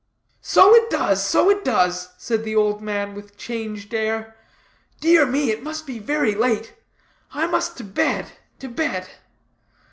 "So it does, so it does," said the old man with changed air, "dear me, it must be very late. I must to bed, to bed!